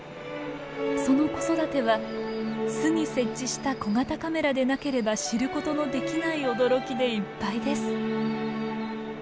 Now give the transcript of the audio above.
その子育ては巣に設置した小型カメラでなければ知ることのできない驚きでいっぱいです。